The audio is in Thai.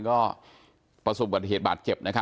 ก็ประสบบัติเหตุบาดเจ็บ